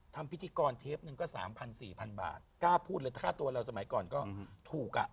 ทำพิธีกรเทปนึงก็๓๐๐๔๐๐บาทกล้าพูดเลยถ้าค่าตัวเราสมัยก่อนก็ถูกอ่ะ